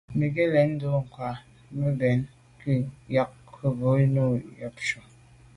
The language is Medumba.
Bin ke’ lèn ndù ngwa ke mbèn ngù kà jujù mbwô nejù ké.